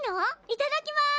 いただきます！